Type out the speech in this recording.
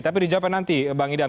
tapi dijawabkan nanti bang idam